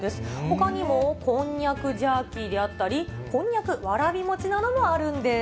ほかにも、こんにゃくジャーキーであったり、こんにゃくわらび餅などもあるんです。